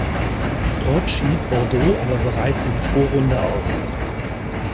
Dort schied Bordeaux aber bereits in der Vorrunde aus.